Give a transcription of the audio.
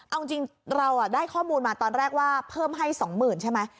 เอาจริงเราได้ข้อมูลมาตอนแรกว่าเพิ่มให้๒๐๐๐ใช่ไหม